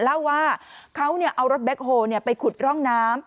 เล่าว่าเขาเอารถแบ็คโฮลไปขุดร่องน้ำ